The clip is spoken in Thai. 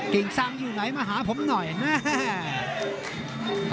กิ่งซังอยู่ไหนมาหาผมหน่อยแม่